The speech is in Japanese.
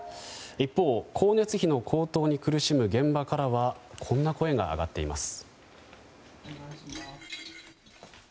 一方、光熱費の高騰に苦しむ現場からはこんな声が上がっています。